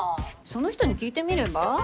その人に聞いてみれば？